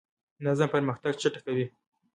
نظم پرمختګ چټکوي.